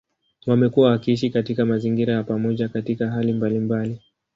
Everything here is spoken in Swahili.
Wamekuwa wakiishi katika mazingira ya pamoja katika hali mbalimbali.